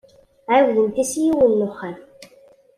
Ɛawdent-as i yiwen n wexxam.